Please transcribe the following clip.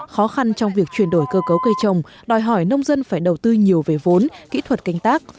khó khăn trong việc chuyển đổi cơ cấu cây trồng đòi hỏi nông dân phải đầu tư nhiều về vốn kỹ thuật canh tác